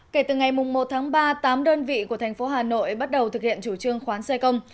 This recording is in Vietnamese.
kể từ ngày một tháng ba tám đơn vị của thành phố hà nội bắt đầu thực hiện chủ trương khoán xây công